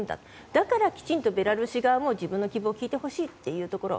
だからきちんとベラルーシ側も自分の希望を聞いてほしいというところ。